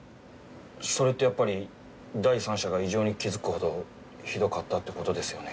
それってやっぱり第三者が異常に気づくほどひどかったって事ですよね？